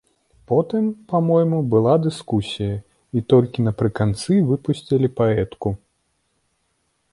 Потым, па-мойму, была дыскусія, і толькі напрыканцы выпусцілі паэтку.